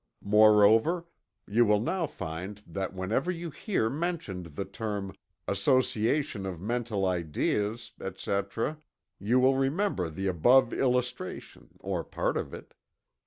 Moreover, you will now find that whenever you hear mentioned the term "association of mental ideas," etc., you will remember the above illustration or part of it.